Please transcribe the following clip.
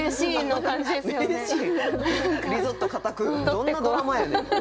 どんなドラマやねん！